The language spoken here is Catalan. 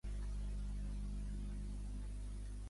El llibre de Nunnaminster inclou algunes inicials decorades.